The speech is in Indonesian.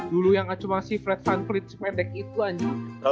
dulu yang cuma fred van cleef sepedek itu aja